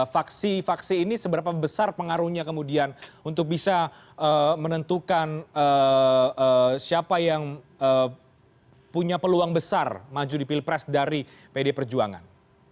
vaksi vaksi ini seberapa besar pengaruhnya kemudian untuk bisa menentukan siapa yang punya peluang besar maju di pil pres dari pdi perjuangan